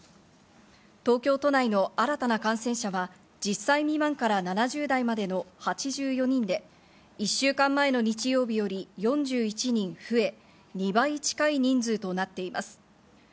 東京都内の新たな感染者は１０歳未満から７０代までの８４人で、１週間前の日曜日より４１人増え、２倍近い人数となっています。